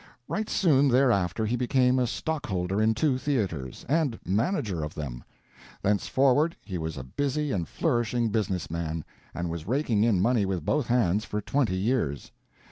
Right soon thereafter he became a stockholder in two theaters, and manager of them. Thenceforward he was a busy and flourishing business man, and was raking in money with both hands for twenty years.